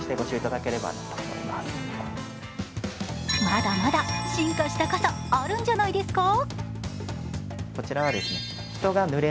まだまだ進化した傘あるんじゃないですか？